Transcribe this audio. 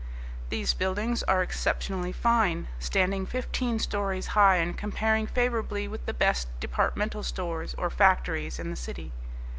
These buildings are exceptionally fine, standing fifteen stories high and comparing favourably with the best departmental stores or factories in the City.